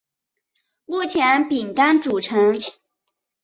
目前饼干组成。